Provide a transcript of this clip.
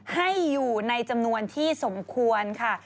ให้อยู่ในจำนวนที่สมควรค่ะ